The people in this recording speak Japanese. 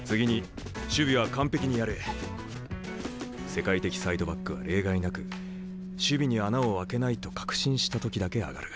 世界的サイドバックは例外なく守備に穴を開けないと確信した時だけ上がる。